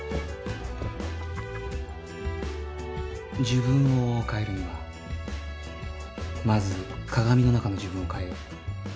自分を変えるにはまず鏡の中の自分を変えよう。